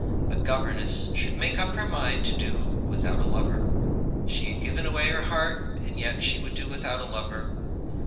A governess should make up her mind to do without a lover. She had given away her heart, and yet she would do without a lover.